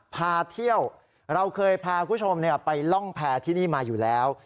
พาเที่ยวเราเคยพาคุณผู้ชมไปล่องแพร่ที่นี่มาอยู่แล้ว